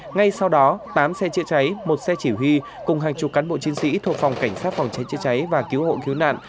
ngay sau đó tám xe chữa cháy một xe chỉ huy cùng hàng chục cán bộ chiến sĩ thuộc phòng cảnh sát phòng cháy chữa cháy và cứu hộ cứu nạn